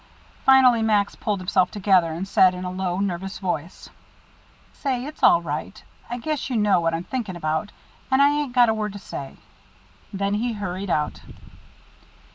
Finally Max pulled himself together, and said in a low, nervous voice: "Say, it's all right. I guess you know what I'm thinking about. And I ain't got a word to say." Then he hurried out.